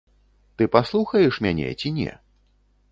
Ты паслухаеш мяне ці не?